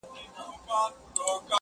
o ستا هغه ګوته طلایي چیري ده،